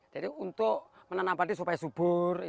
jadi untuk menanam padi supaya subur